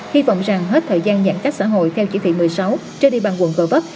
hy vọng rằng hết thời gian giãn cách xã hội theo chỉ thị một mươi sáu trên đi bằng quận g vấp